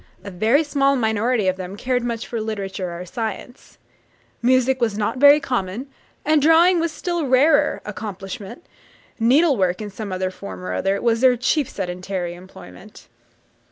A very small minority of them cared much for literature or science. Music was not a very common, and drawing was a still rarer, accomplishment; needlework, in some form or other, was their chief sedentary employment.